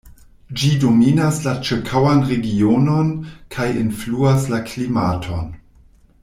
Ĝi dominas la ĉirkaŭan regionon kaj influas la klimaton.